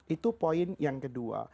itu poin yang kedua